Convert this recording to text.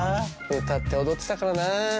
歌って踊ってたからな。